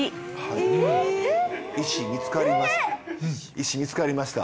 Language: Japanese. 石見つかりました。